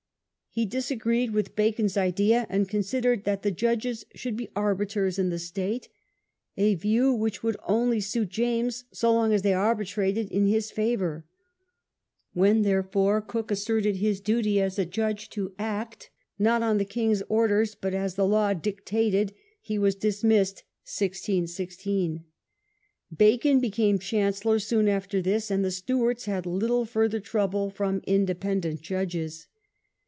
He dis agreed with Bacon's idea, and considered that the judges should be arbiters in the state, a view which would only suit James so long as they arbitrated in his favour. When, therefore. Coke asserted his duty as a judge to act, not on the king's orders, but as the law dictated, he was dismissed (1616). Bacon became Chancellor soon after this, and the Stewarts had little further trouble from independent judges.